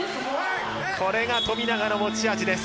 これが富永の持ち味です。